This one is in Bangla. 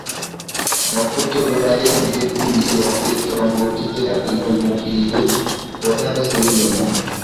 নক্ষত্ররায়ের হৃৎপিণ্ডে রক্তের তরঙ্গ উঠিতে লাগিল, মুখ দিয়া কথা সরিল না।